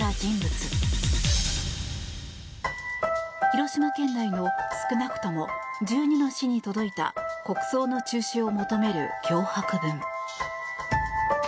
広島県内の少なくとも１２の市に届いた国葬の中止を求める脅迫文。